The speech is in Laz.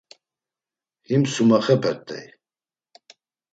Him Sumexepert̆ey.